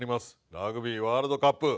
ラグビーワールドカップ。